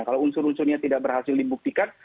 kalau unsur unsurnya tidak berhasil dibuktikan